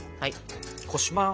こします。